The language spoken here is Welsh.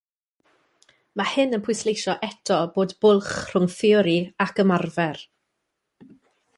Mae hyn yn pwysleisio eto bod bwlch rhwng theori ac ymarfer.